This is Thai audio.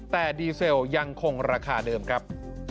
แต่ดีเซลยังคงราคาเดิมครับ